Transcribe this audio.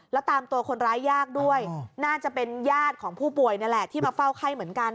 แล้วตามตัวคนร้ายยากด้วยน่าจะเป็นญาติของผู้ป่วยนี่แหละที่มาเฝ้าไข้เหมือนกัน